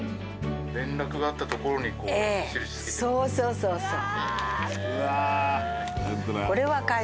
そうそうそうそう。